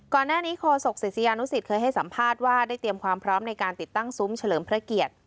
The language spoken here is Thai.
ก่อนหน้านี้โคศกศิษยานุสิตเคยให้สัมภาษณ์ว่าได้เตรียมความพร้อมในการติดตั้งซุ้มเฉลิมพระเกียรติ